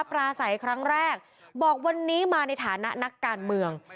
ปราศัยครั้งแรกบอกวันนี้มาในฐานะนักการเมือง